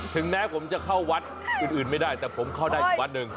ถึงแม้ผมจะเข้าวัดอื่นไม่ได้แต่ผมเข้าได้อีกวัดหนึ่ง